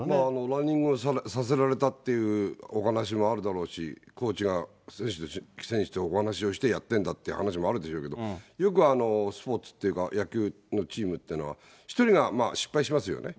ランニングをさせられたっていうお話もあるだろうし、コーチが選手とお話をしてやってんだというお話もあるでしょうけど、よくスポーツっていうか、野球のチームというのは、１人が失敗しますよね。